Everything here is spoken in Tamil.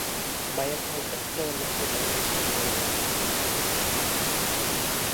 பயத்தால் தச்சர்களுக்குப் பதில் அளிக்க முடியவில்லை.